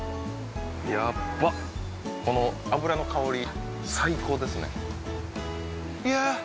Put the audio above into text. ヤッバこの脂の香り最高ですねいや